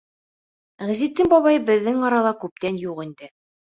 Ғизетдин бабай беҙҙең арала күптән юҡ инде.